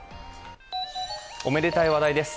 おめでたい話題です。